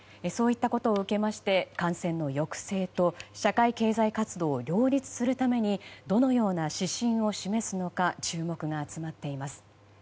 そういったことを受けまして感染の抑制と社会経済活動を両立するためにどのような指針を示すのか注目が集まっています。